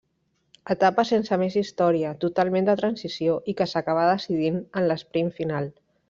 Etapa sense més història, totalment de transició i que s'acabà decidint en l'esprint final.